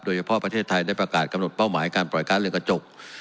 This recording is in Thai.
โดยเฉพาะประเทศไทยได้ประกาศกำหนดเป้าหมายการปล่อยการเลือกจก